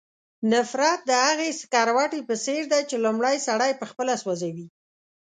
نفرت د هغې سکروټې په څېر دی چې لومړی سړی پخپله سوځوي.